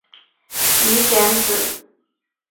鱼显子